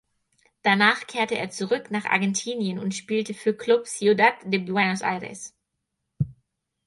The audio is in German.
Danach kehrte er zurück nach Argentinien und spielte für Club Ciudad de Buenos Aires.